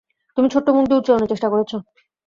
তুমি ছোট্ট মুখ দিয়ে উচ্চারণের চেষ্টা করেছ।